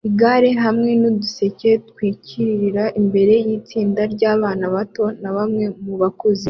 igare hamwe nuduseke twikinira imbere yitsinda ryabana bato na bamwe mubakuze